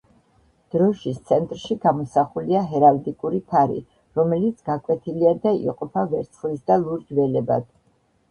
დროშის ცენტრში გამოსახულია ჰერალდიკური ფარი, რომელიც გაკვეთილია და იყოფა ვერცხლის და ლურჯ ველებად.